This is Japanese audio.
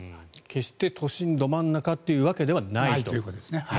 決して都心ど真ん中というわけではないということですね。